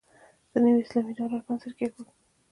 د نوي اسلامي دولت بنسټ کېښود.